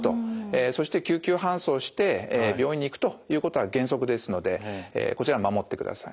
そして救急搬送して病院に行くということが原則ですのでこちら守ってください。